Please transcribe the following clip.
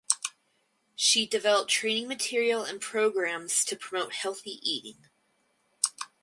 She developed training material and programmes to promote healthy eating.